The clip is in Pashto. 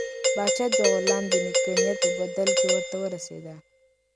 باغچه د غلام د نېک نیت په بدل کې ورته ورسېده.